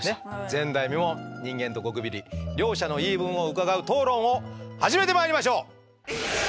前代未聞人間とゴキブリ両者の言い分を伺う討論を始めてまいりましょう！